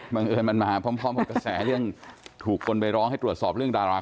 บังเอิญมันมาพร้อมบนกระแสยังถูกคนไปร้องให้ตรวจสอบเรื่องราคา